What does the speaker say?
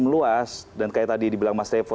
meluas dan kayak tadi dibilang mas tepo